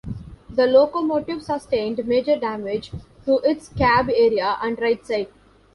The locomotive sustained major damage to its cab area and right side.